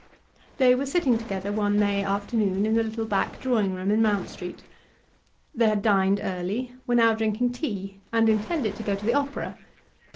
They were sitting together one May afternoon in the little back drawing room in Mount Street. They had dined early, were now drinking tea, and intended to go to the opera.